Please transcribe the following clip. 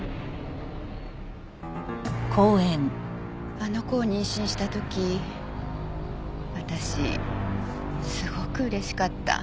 あの子を妊娠した時私すごく嬉しかった。